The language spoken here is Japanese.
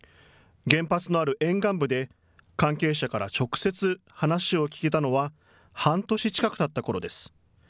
原発のある沿岸部で関係者から直接、話を聞けたのは半年近くたったころです。